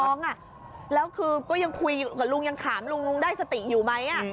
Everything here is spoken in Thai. ลุงแทงอยู่ที่ท้องก็ยังคุยอยู่กับลุงยังขามลุงได้สติอยู่ไหม